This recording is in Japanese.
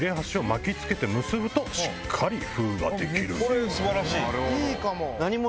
これ素晴らしい！